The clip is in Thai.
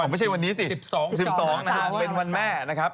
ไม่ใช่วันนี้สิ๑๒๑๒นะฮะเป็นวันแม่นะครับ